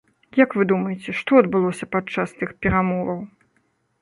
Як вы думаеце, што адбылося падчас тых перамоваў?